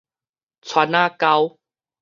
川仔溝